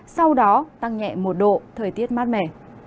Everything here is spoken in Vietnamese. sau đó tăng nhẹ một độ thời tiết mát mẻ